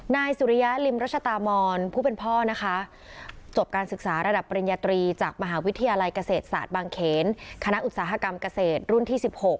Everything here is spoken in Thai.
นายสุริยะริมรัชตามอนผู้เป็นพ่อนะคะจบการศึกษาระดับปริญญาตรีจากมหาวิทยาลัยเกษตรศาสตร์บางเขนคณะอุตสาหกรรมเกษตรรุ่นที่๑๖